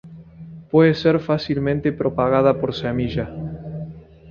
Puede ser fácilmente propagada por semilla.